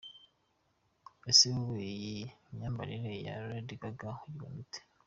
Ese wowe iyi myambarire ya Lady Gaga uyibona ute? .